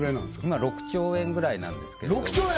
今６兆円ぐらいなんですけど６兆円！